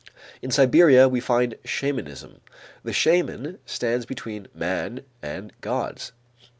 In Siberia, we find shamanism. The shaman stands between man and the gods.